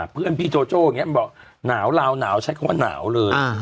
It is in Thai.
เพื่อนพี่โจโจ้ยังไงบอกหนาวหนาวหนาวใช้คำว่าหนาวเลย